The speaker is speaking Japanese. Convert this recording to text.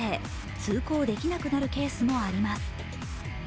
通行できなくなるケースもあります。